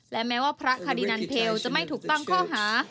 และแม้ว่าพระคดีนันเพลจะไม่ถูกตั้งข้อหา